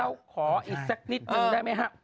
เราขออีซักนิดนึงได้ไหมฮะ